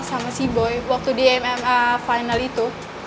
sama sea boy waktu di mma final itu